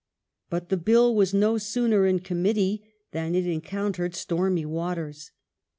But the Bill was no sooner in Committee than it encountered stormy waters.